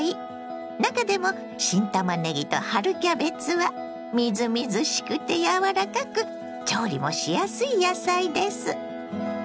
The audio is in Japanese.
中でも新たまねぎと春キャベツはみずみずしくて柔らかく調理もしやすい野菜です。